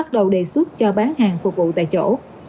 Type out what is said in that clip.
đề xuất cho bán hàng phục vụ tại chỗ